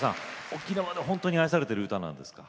沖縄の本当に愛されてる歌なんですか？